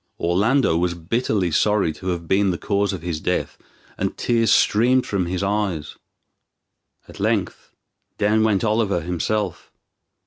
Orlando was bitterly sorry to have been the cause of his death, and tears streamed from his eyes. At length down went Oliver himself.